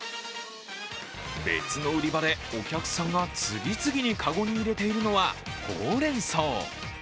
別の売り場でお客さんが籠に次々に入れているのはほうれんそう。